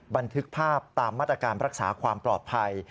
บันทึกภาพตามมาตรการรักษาความปลอดภัย